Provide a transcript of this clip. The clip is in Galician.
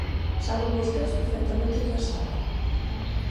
Saben vostedes perfectamente que as hai.